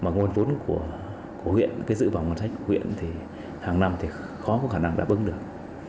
nguồn vốn của huyện dự bỏng ngân sách của huyện hàng năm khó có khả năng đáp ứng được